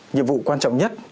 nhiệm vụ quan trọng nhất